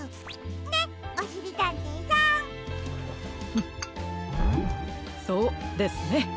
フフそうですね。